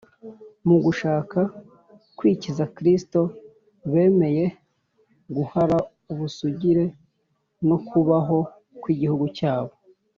mu gushaka kwikiza kristo, bemeye guhara ubusugire no kubaho kw’igihugu cyabo